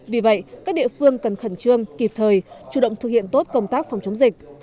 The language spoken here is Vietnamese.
vì vậy các địa phương cần khẩn trương kịp thời chủ động thực hiện tốt công tác phòng chống dịch